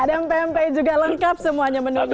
ada pempek juga lengkap semuanya menurutnya